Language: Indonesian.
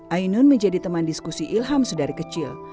ainun menjadi teman diskusi ilham sedari kecil